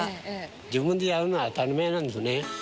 自分でやるのは当たり前なんですよね。